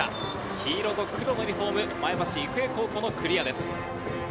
黄色と黒のユニホーム、前橋育英高校のクリアです。